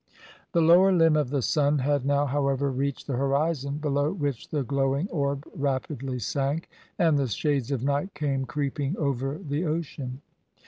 The lower limb of the sun had now, however, reached the horizon, below which the glowing orb rapidly sank, and the shades of night came creeping over the ocean.